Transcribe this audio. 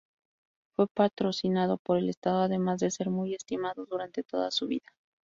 Fue patrocinado por el estado, además de ser muy estimado durante toda su vida.